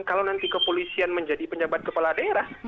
kalau nanti kepolisian menjadi penjabat kepala daerah